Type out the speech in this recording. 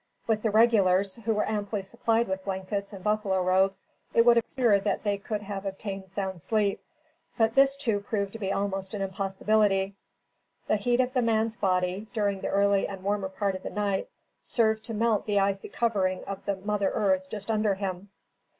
With the regulars, who were amply supplied with blankets and buffalo robes, it would appear that they could have obtained sound sleep. But this too proved to be almost an impossibility. The heat of the man's body, during the early and warmer part of the night, served to melt the icy covering of the mother earth just under him.